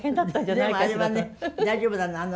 でもあれはね大丈夫なの。